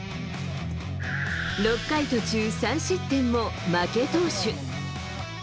６回途中３失点も負け投手。